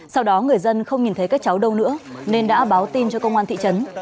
sau đó người dân không nhìn thấy các cháu đâu nữa nên đã báo tin cho công an thị trấn